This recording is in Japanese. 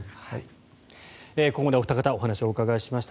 ここまでお二方お話をお伺いしました。